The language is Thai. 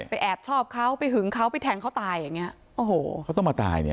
ไปแอบชอบเขาไปหึงเขาไปแทงเขาตายอย่างนี้